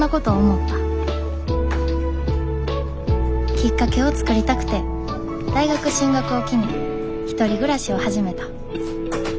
きっかけを作りたくて大学進学を機に１人暮らしを始めた。